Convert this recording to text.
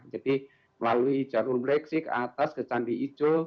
jadi melalui jalur mreksik ke atas ke candi ijo